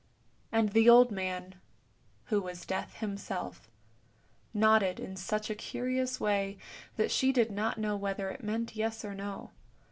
" And the old man, who was Death himself, nodded in such a curious way that she did not know whether it meant yes or no.